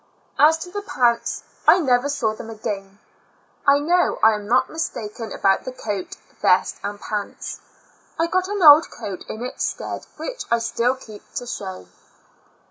As to the pants, I never saw them ascain. I know I am not mistaken about the coat, vest and pants; I got an old coat in its stead which I still keep to show.